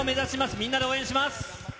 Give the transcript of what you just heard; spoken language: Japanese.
みんなで応援します。